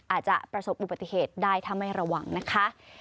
อาจจะประสบอุบัติเหตุได้ถ้าไม่ระวังนะคะ